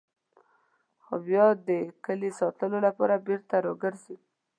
خو بیا د کلي ساتلو لپاره بېرته راګرځي.